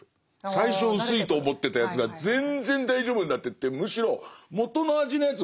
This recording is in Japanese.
最初薄いと思ってたやつが全然大丈夫になってってむしろ元の味のやつ